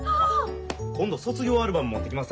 今度卒業アルバム持ってきます